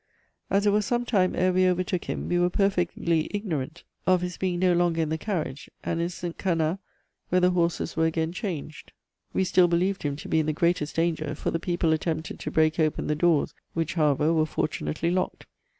As it was some time ere we overtook him, we were perfectly ignorant of his being no longer in the carriage and in Saint Cannat, where the horses were again changed. We still believed him to be in the greatest danger, for the people attempted to break open the doors, which, however, were fortunately locked.